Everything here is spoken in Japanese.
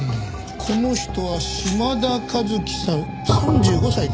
この人は島田和樹さん３５歳ですね。